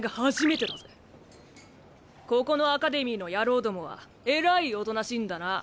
ここのアカデミーの野郎どもはえらいおとなしいんだな。